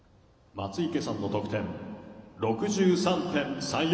松生さんの得点６３．３４。